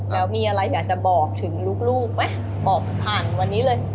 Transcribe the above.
แล้วมีอะไรอยากจะบอกถึงลูกไหมบอกผ่านวันนี้เลย